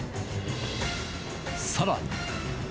さらに。